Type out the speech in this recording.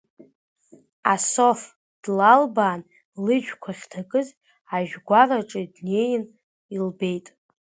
Асоф длалбаан лыжәқәа ахьҭакыз ажәгәараҿы днеин илбеит.